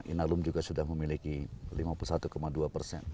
inalum juga sudah memiliki lima puluh satu dua persen